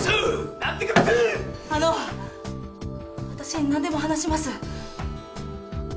あの私何でも話します。